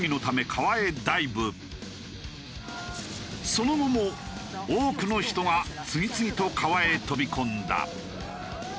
その後も多くの人が次々と川へ飛び込んだ。